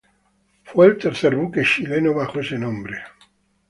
Fue el tercer buque chileno bajo ese nombre.